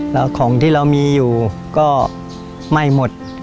แล้วของที่เรามีอยู่ก็ไหม้หมด